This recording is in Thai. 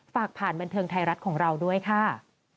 ฝากผ่านบันเทิงไทยรัฐของเราด้วยค่ะ